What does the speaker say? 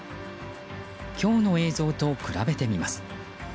今日の映像と比べてみます。